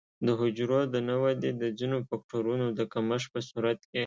د حجرو د نه ودې د ځینو فکټورونو د کمښت په صورت کې.